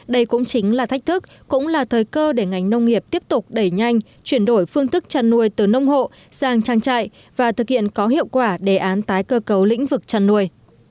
đây cũng chính là thách thức cũng là thời cơ để ngành nông nghiệp tiếp tục đẩy nhanh chuyển đổi phương thức chăn nuôi từ nông hộ sang trang trại và thực hiện có hiệu quả đề án tái cơ cấu lĩnh vực chăn nuôi